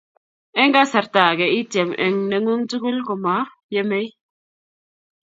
eng kasrta age itiem eng' nengung tugul komayemei